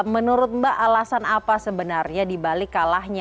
menurut mbak alasan apa sebenarnya dibalik kalahnya